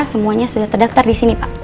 semuanya sudah terdaftar disini pak